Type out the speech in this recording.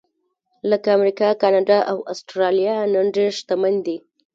لکه امریکا، کاناډا او اسټرالیا نن ډېر شتمن دي.